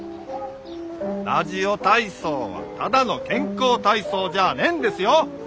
ラジオ体操はただの健康体操じゃあねんですよ！